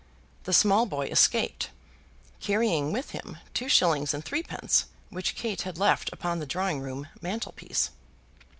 The small boy escaped, carrying with him two shillings and threepence which Kate had left upon the drawing room mantelpiece.